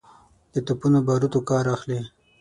د توپونو باروتو کار اخلي.